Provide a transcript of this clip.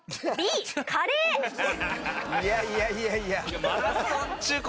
いやいやいやいや。